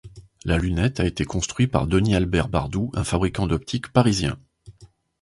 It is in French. La lunette a été construit par Denis Albert Bardou, un fabricant d'optique parisien.